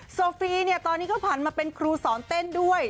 โซฟีเนี่ยตอนนี้เขาผ่านมาเป็นครูสอนเต้นด้วย